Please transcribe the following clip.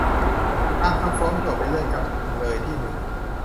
ตามคำฟ้องโจทก์เป็นเรื่องจำเลยที่หนึ่ง